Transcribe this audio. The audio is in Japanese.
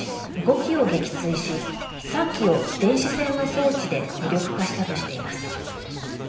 このうち５機を撃墜し３機を電子戦の装置で無力化したとしています。